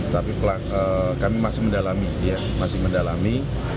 tapi kami masih mendalami masih mendalami